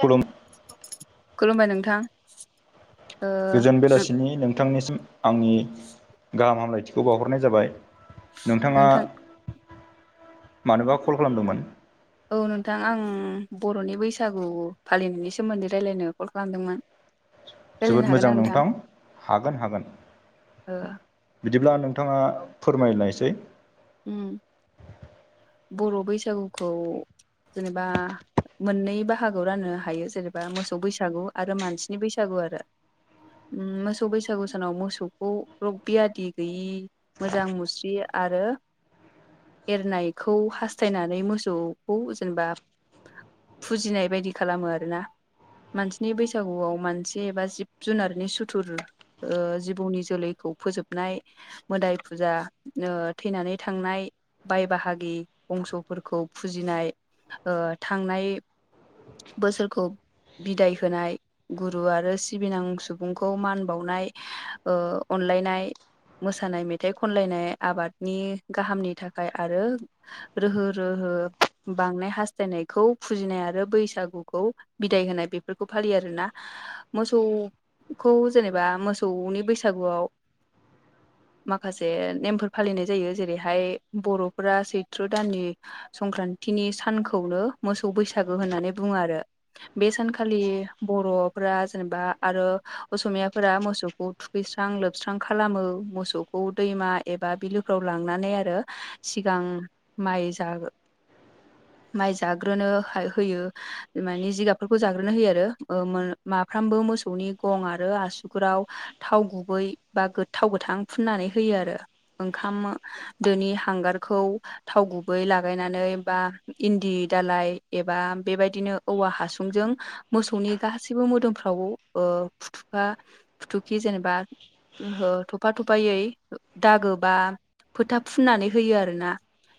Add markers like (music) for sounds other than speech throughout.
खुलुम खुलुमबाय नोंथां। ओ गोजोन बेलासिनि नोंथांनिसिम आंनि गाहाम हामलायथिखौ बावहरनाय जाबाय। नोंथाङा नोंथां मानोबा कल खालामदोंमोन? औ नोंथां आं बर'नि बैसागु फालिनायनि सोमोन्दै रायज्लायनो कल खालामदोंमोन। रायलायनो जोबोद हागोन ना मोजां नोंथां हागोन हागोन। ओ बिदिब्ला नोंथाङा फोरमाय एसे उम बर' बैसागुखौ बा मोननै बाहागोआव राननो हायो जेनेबा मोसौ बैसागु आरो मानसिनि बैसागु आरो मोसौ बैसागु सानाव मोसौखौ रग बियादि गैयि मोजां मुस्रि आरो एरनाय खौ हास्थायनानै मोसौखौ जेनेबा फुजिनाय बायदि खालामो आरो। मानसिनि बैसागुआव मानसि एबा जिब जुनारनि सुथुर ओ जिबौनि जोलैखौ फोजोबनाय मोदाय फुजा ओ थैनानै थांनाय बाय बाहागो। ओ बंस'फोरखौ फुजिनाय थांनाय बोसोरखौ बिदाय होनाय गुरु आरो सिबिनां सुबुंखौ मान बावनाय अनलायनाय मोसानाय मेथाइ खनलायनाय आबादनि गाहामनि थाखाय आरो रोहो रोहो बांनाय हास्थायनायखौ फुजिनाय आरो बैसागुखौ बिदाय होनाय बेफोरखौ फालियो आरोना। मोसौखौ जेनेबा मोसौनि बैसागुआव माखासे नेमफोर फालिनाय जायो जेरैहाय बर'फोरा बि सत्र दाननि संक्रान्तिनि सानखौनो मोसौ बैसागो होननानै बुङो आरो। बे सानखालि बर'फोरा जेनेबा आरो असमियाफोरा मोसौ थुखैस्रां लोबस्रां खालामो मोसौखौ दैमा एबा बिलोफ्राव लांनानै आरो। सिगां माइ जागो माइ जाग्रोनो होयो माने जिगाबफोरखौ जाग्रोनो होयो आरो। माफ्रामबो मोसौनि गं आरो आसुगुराव थाव गुबै बा थाव गोथां फुननानै होयो आरो ओंखाम दोनि हांगारखौ थाव गुबै लागायनानै बा इन्दि दालाय एबा बेबायदिनो औवा हासुंजों नो मोसौनि गासैबो मोदोमफ्राव फुथुखा फुथुखि जेनेबा ओहो थफा थफायै दाग बा फोथा फुननानै होयो आरो ना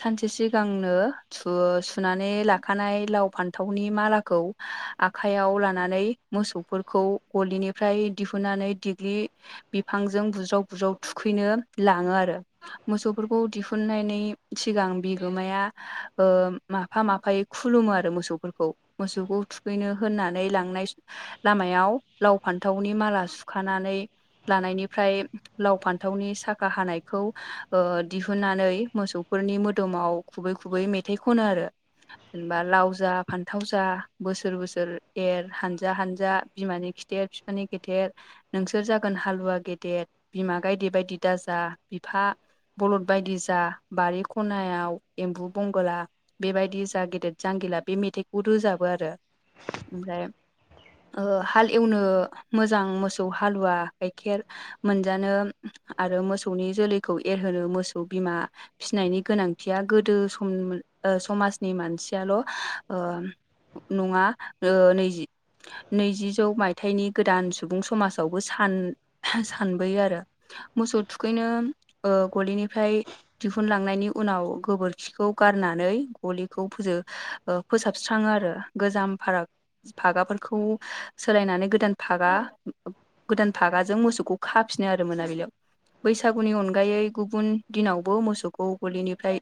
सानसे सिगांनो सुनानै लाखानाय लाव फान्थावनि मालाखौबो आखाइयाव लानानै मोसौफोरखौ गलिनिफ्राय दिहुननानै देग्लिथि बिफांजों बुज्राव बुज्राव थुखैनो लाङो आरो मोसौफोरखौ दिहुननानै सिगां बिगोमाया ओ माफा माफायै खुलुमो आरो मोसौफोरखौ मोसौखौ थुखैनो होननानै लांनाय लामायाव लाव फान्थावनि माला सुखानानै लानायनिफ्राय लाव फान्थावनि साखा हानायखौ ओ दिहुुननानै मोसौ फोरनि मोदोमाव खुबै खुबै मेथाइ खनो आरो जेनेबा लाव जा फान्थाव जा बोसोर बोसोर एर हानजा हानजा बिमानि खिथेर बिफानि खेथेर नोंसोर जागोन हालुवा गेदेर बिमा गायदे बायदि दाजा बिफा बलद बायदि जा बारि खनायाव एम्बु बंगला बेबायदि जा गेदेर जांगिला बे मेथाइखौ रोजाबो आरो ओमफ्राय ओ हाल एवनो मोजां मोसौ हालुवा गाइखेर मोनजानो आरो मोसौनि जोलैखौ एरहोनो मोसौ बिमा फिसिनायनि गोनांथिया गोदो सम ओ समाजनि मानसियाल' नङा ओ नैजि नैजिजौ मायथाइनि गोदान सुबुं समाजावबोन सानबोयो आरो मोसौ थुखैनो ओ गलिनिफ्राय दिहुनलांनायनि उनाव गोबोरखिखौ गारनानै गलिखौ फुजो ओ फोसाबस्राङो आरो गोजाम फाराग फागाफोरखौ सोलायनानै गोदान फागा गोदान फागाजों मोसौखौ खाफिनो आरो मोना बेलियाव बैसागुनि अनगायै गुबुन दिनाव बो मोसौखौ गलिनिफ्राय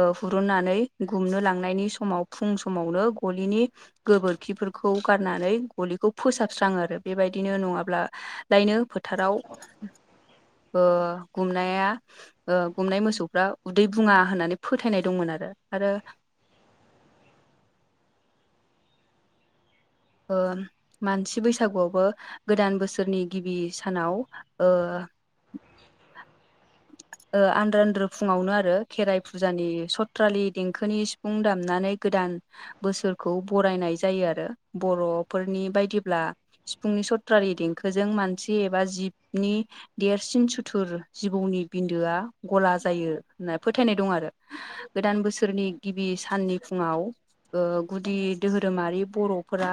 ओ हुरुननानै गुमनो लांनायनि समाव फुं समावनो गलिनि गोबोरखिफोरखौ गारनानै गलिखौ फोसाबस्राङो आरो बेबायदिनो नङाब्ला लायनो फोथाराव ओ गुमनाया ओ गुमनाय मोसौफ्रा उदै बुङा होननानै फोथायनाय दंमोन आरो आरो ओ मानसि बैसागुआवबो गोदान बोसोरनि गिबि सानाव ओ (unintelligible) ओ आन्द्रो आन्द्रो फुङावनो आरो खेराइ फुजानि सथ्रालि देंखोनि सिफुं दामनानै गोदान बोसोरखौ बरायनाय जायो आरो बर'फोरनि बायदिब्ला सिफुंनि सथ्रारि देंखोजों मानसि एबा जिबनि देरसिन सुथुर जिबौनि बिन्दोआ गला जायो होनना फोथायनाय दं आरो गोदान बोसोरनि गिबि साननि फुङाव ओ गुदि धहोरोमारि बर'फोरा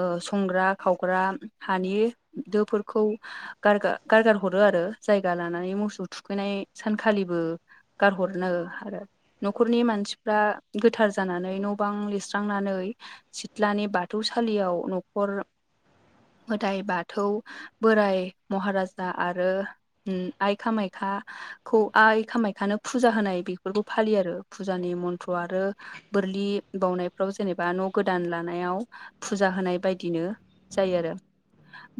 ओ संग्रा खावग्रा हानि दोफोरखौ गारगा गारगार हरो आरो जायगा लानानै मोसौ थुखैनाय सानखालिबो गारहरनो (unintelligible) न'खरनि मानसिफ्रा गोथार जानानै न' बां लिरस्रांनानै सिथ्लानि बाथौसालियाव न'खर मोदाइ बाथौ बोराय महाराजा आरो आइ खामाय खा खौ आइ खामायखानो फुजा होनाय बेफोरखौ फालियो आरो फुजानि मन्थ्र आरो बोरलि बावनायफ्राव जेनेबा न' गोदान लानायाव फुजा होनाय बायदिनो जायो आरो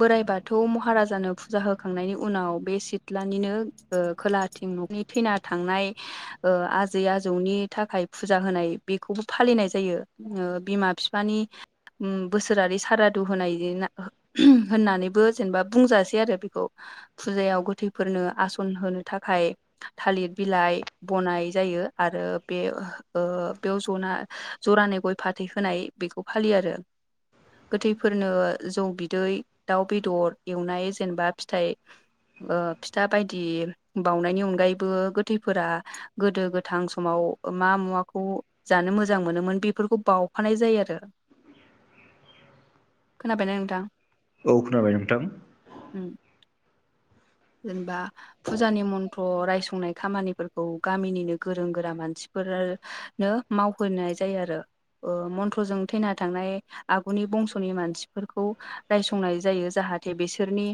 बोराइ बाथौ महाराजानो फुजा होखांनायनि उनाव बे सिथ्लानिनो ओ खोलाथिं न'नि थैना थांनाय ओ आजै आजौनि थाखाय फुजा होनाय बेखौबो फालिनाय जायो। ओ बिमा बिफानि उम बोसोरारि सारादु होनाय होननानैबो जेनेबा बुंजासै आरो बेखौ फुजायाव गोथैफोरनो आस फुनहोनो थाखाय थालिर बिलाइ बनाय जायो आरो बे बेयाव जना जरानै गय फाथै होनाय। बेखौ फालियो आरो। गोथैफोरनो जौ बिदै दाउ बेदर एवनाय जेनेबा फिथाइ फिथा बायदि बाउनायनि अनगायैबो गोथैफोरा गोदो गोथां समाव मा मुवाखौ जानो मोजां मोनोमोन बेफोरखौ बावफानाय जायो आरो। खोनाबायना नोंथां? औ खोनाबाय नोंथां। (unintelligible) जेनेबा फुजानि मन्थ्र रायसंनाय खामानिफोरखौ गामिनिनो गोरों गोरा मानसिफोरा नो मावहोनाय जायो आरो मन्थ्रजों थैना थांनाय आगुनि बंस'नि मानसिफोरखौ रायसंनाय जायो जाहाथे बिसोरनि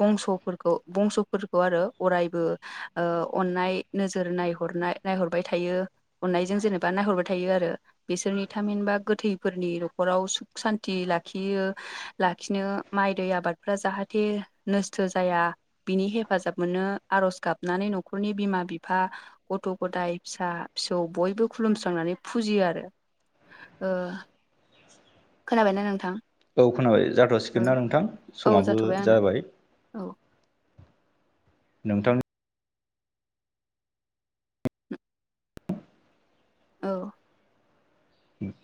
बंस'फोरखौ बंस'फोरखौ आरो अरायबो अननाय नोजोर नायहरनाय नायहरबाय थायो अननायजों जेनेबा नायहरबाय थायो आरो। बिसोरनि थामिनबा गोथैफोरनि न'खराव सुख सान्थि लाखियो लाखिनो माइ दै आबादफ्रा जाहाथे नोस्थ' जाया बिनि हेफाजाब मोनो आर'ज गाबनानै न'खरनि बिमा बिफा गथ' गथाय फिसा फिसौ बयबो खुलुमस्रांनानै फुजियो आरो। (unintelligible) खोनाबायना नोंथां? औ खोनाबाय जाथ'सिगोन ना नोंथां औ समाबो जाथ'बाय आंना जाबाय। औ। नोंथां। औ।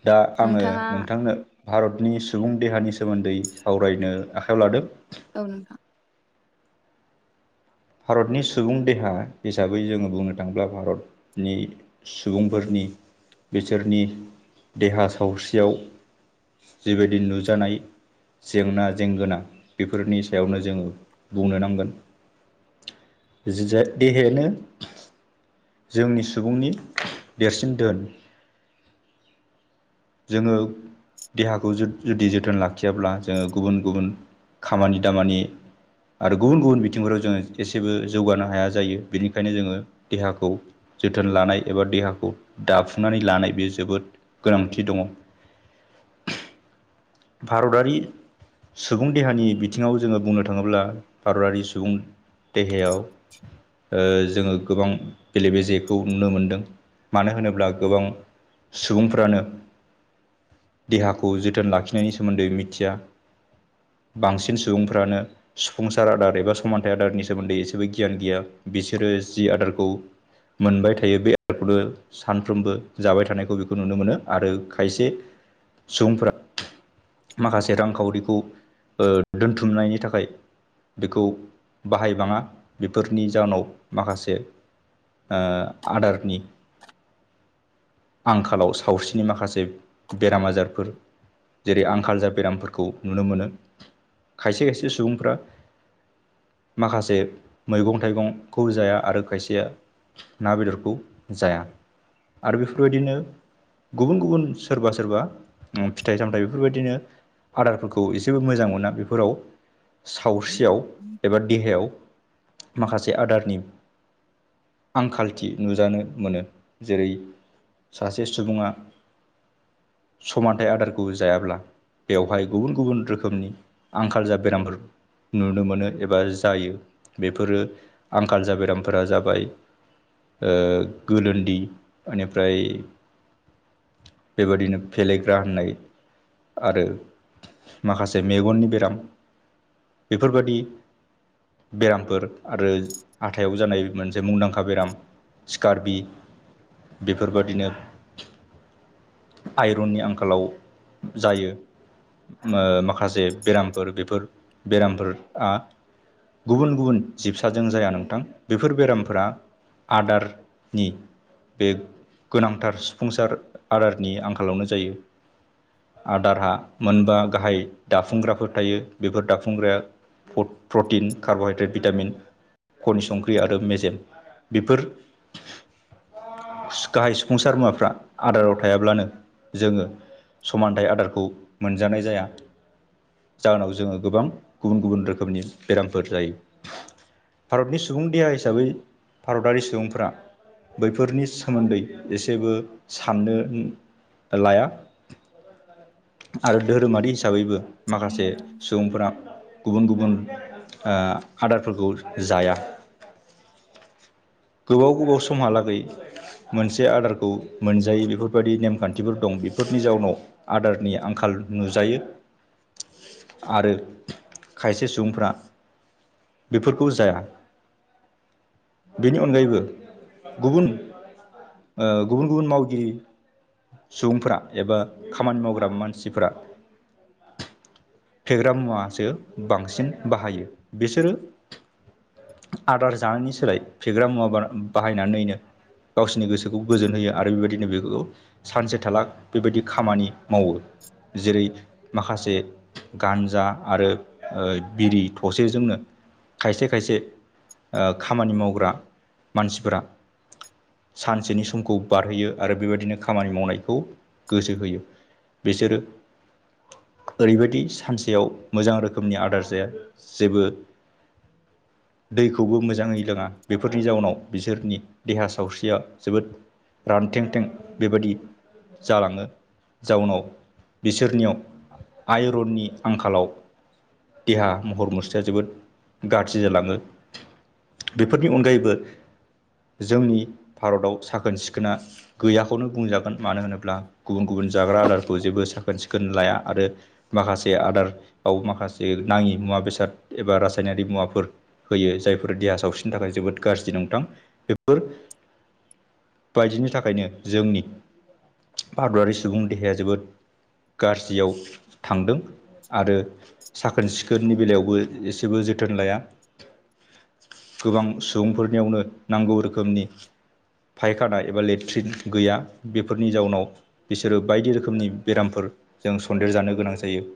दा आङो नोंथाङा नोंथांनो भारतनि सुबुं देहानि सोमोन्दै सावरायनो आखायाव लादों। औ नोंथां। भारतनि सुबुं देहा हिसाबै जोङो बुंनो थाङोब्ला भारतनि सुबुंफोरनि बिसोरनि देहा सावस्रियाव जिबायदि नुजानाय जेंना जेंगोना बेफोरनि सायावनो जोङो बुंनो नांगोन। देहायानो जोंनि सुबुंनि देरसिन धोन जोङो देहाखौ जुदि जोथोन लाखियाब्ला जोङो गुबुन गुबुन खामानि दामानि आरो गुबुन गुबुन बिथिंफोराव जोङो एसेबो जौगानो हाया जायो बेनिखायनो जोङो देहाखौ जोथोन लानाय एबा देहाखौ दाफुंनानै लानाय बेयो जोबोद गोनांथार। दङ भारतारि सुबुं देहानि बिथिङाव जोङो बुंनो थाङोब्ला भारतारि सुबुं देहायाव जोङो गोबां बेले बेजेखौ नुनो मोनदों मानो होनोब्ला गोबां सुबुंफ्रानो देहाखौ जोथोन लाखिनायनि सोमोन्दै मिथिया बांसिन सुबुंफ्रानो सुफुंसार आदार एबा समानथाइ आदारनि सोमोन्दै एसेबो गियान गैया बिसोरो जि आदारखौ मोनबाय थायो बे एयारपर्टनो सानफ्रोमबो जाबाय थानायखौ बेखौ नुनो मोनो। आरो खायसे सुबुंफोरा माखासे रांखावरिखौ दोनथुमनायनि थाखाय बेखौ बाहायबाङा बेफोरनि जाउोनाव माखासे आदारनि आंखालाव स सावस्रिनि माखासे बेराम आजारफोर जेरै आंखाल जा बेरामफोरखौ नुनो मोनो खायसे खायसे सुबुंफ्रा माखासे मैगं थाइगंखौ जाया आरो खायसेया ना बेदरखौ जाया आरो बेफोरबायदिनो गुबुन गुबुन सोरबा सोरबा फिथाइ सामथायाइ बेफोरबायदिनो आदारफोरखौ एसेबो मोजां मोना बेफोराव सावस्रियाव एबा देहायाव माखासे आदारनि आंखालथि नुजानो मोनो जेरै सासे सुबुङा समानथाइ आदारखौ जायाब्ला बेवहाय गुबुन गुबुन रोखोमनि आंखाल जा बेरामफोर नुनो मोनो एबा जायो बेफोरो आंखाल ज बेरामफोरा जाबाय ओ गोलोनदि बेनिफ्राय बेबायदिनो फेलेग्रा होननाय आरो माखासे मेगननि बेराम बेफोरबादि बेरामफोर आरो हाथायाव जानाय मोनसे मुंदांखा बेराम स्कार्बि बेफोरबायदिनो आइरननि आंखालाव जायो। ओ माखासे बेरामफोर बेफोर बेरामफोरा गुबुन गुबुन जिबसाजों जाया नोंथां बेफोर बेरामफोरा आदारनि बे गोनांथार सफुंसार आदारनि आंखालावनो जायो। आदारहाा मोनबा गाहाय दाफुंग्राफोर थायो बेफोर दाफुंग्राया प्रटिन कार्ब'हाइद्रेट भिटामिन खनि संख्रि आरो मेजेम बेफोर गाहाय सफुंसार मुवाफ्रा आदाराव थायाब्लानो जोङो समानथाइ आदारखौ मोनजानाय जाया। जाहोनाव जोङो गोबां गुबुन गुबुन रोखोमनि बेरामफोर जायो। भारतनि सुबुं देहा हिसाबै भारतारि सुबुंफोरा बैफोरनि सोमोन्दै एसेबो साननो लाया आरो धोरोमारि हिसाबैबो माखासे सुबुंफोरा गुबुन गुबुन ओ आदारफोरखौ जाया। गोबाव गोबाव समहालागै मोनसे आदारखौ मोनजायै बेफोरबायाददि नेमखान्थिफोर दं बेफोरनि जाउनाव आदारनि आंखाल नुजायो। आरो खायसे सुबुंफ्रा बेफोरखौ जाया बेनि अनगायैबो गुबुन ओ गुबुन गुबुन मावगिरि सुबुंफोरा एबा खामानि मावग्रा मानसिफोरा फेग्रा मुवासो बांसिन बाहायो बिसोरो आदार जानायनि सोलाय फेग्रा मुवा बाहायनानैनो गावसिनि गोसो गोजोन होयो आरो बेबायदिनो बेखौ सानसे थालाख बेबायदि खामानि मावो जेरै माखासे गानजा आरो बिरि थसेजोंनो खायसे खायसे ओ खामानि मावग्रा मानसिफोरा सानसेनि सम समखौ बारहोयो आरो बेबायदिनो खामानि मावनायखौ गोसो होयो बिसोरो। ओरैबायदि सानसेयाव मोजां रोखोमनि आदार जाया जेबो (inaudible) दैखौबो मोजाङै लोङा बेफोरनि जाउनाव बिसोरनि देहा सावस्रिया जोबोद रानथें थें बेबायाददि जालाङो जाउनाव बिसोरनियाव आइरननि आंखालाव देहा महर मुस्रिया जोबोद गाज्रि जालाङो। बेफोरनि अनगायैबो जोंनि भारताव साखोन- सिखोन सिखोना गैयाखौनो बुंजागोन मानो होनोब्ला गुबुन गुबुन जाग्रा आदारखौ जेबो साखोन सिखोन लाया आरो माखासे आदाराव माखासे नाङि मुवा बेसाद एबा रासायनारि मुवाफोर होयो जायफोर देहा सावस्रिनि थाखाय जोबोद गाज्रि नोंथां बेफोर बायदिनि थाखायनो जोंनि भारतआरारि सुबुं देहाया जोबोद गाज्रियाव थांदों। आरो साखोन सिखोननि बेलायावबो एसेबो जोथोन लाया। गोबां सुबुंफोरनियावनो नांगौ रोखोमनि फायखाना एबा लेट्रिक गैया बेफोरनि जाउनाव बिसोरो बायदि रोखोमनि बेरामफोर जों सन्देर जानो गोनां जायो।